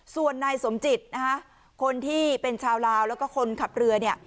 ส่วนนายสมจิตนะฮะคนที่เป็นชาวลาวแล้วก็คนขับเรือเนี่ย